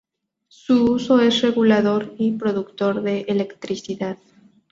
Su uso es regulador y productor de electricidad.